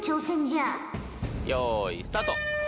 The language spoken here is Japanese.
よいスタート！